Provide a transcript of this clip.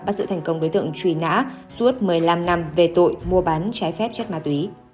bắt giữ thành công đối tượng truy nã suốt một mươi năm năm về tội mua bán trái phép chất ma túy